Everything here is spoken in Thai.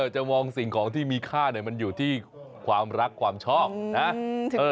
จะมองสิ่งของที่มีค่ามันอยู่ที่ความรักความชอบนะ